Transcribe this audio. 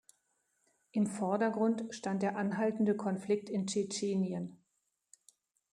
Im Vordergrund stand der anhaltende Konflikt in Tschetschenien.